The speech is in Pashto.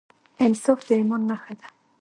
انصاف د ایمان نښه ده.